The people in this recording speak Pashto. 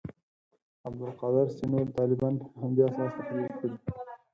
عبدالقادر سینو طالبان پر همدې اساس تحلیل کړي.